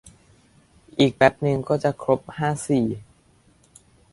อีกแป๊บนึงก็จะครบห้าสี